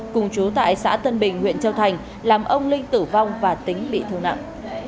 cùng chú tại xã tân bình huyện châu thành làm ông linh tử vong và tính bị thương nặng